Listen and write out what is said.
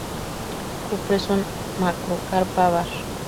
Cupressus macrocarpa var.